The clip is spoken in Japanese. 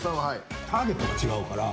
ターゲットが違うから。